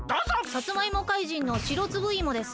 さつまいも怪人のしろつぶいもです。